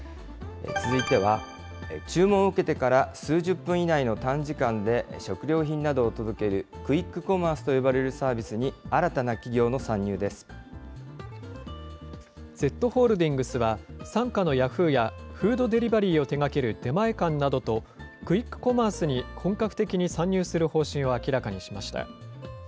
続いては、注文を受けてから数十分以内の短時間で食料品などを届ける、クイックコマースと呼ばれるサービスに新たな企業の参入でＺホールディングスは、傘下のヤフーやフードデリバリーを手がける出前館などと、クイックコマースに本格的に参入する方針を明らかにしました。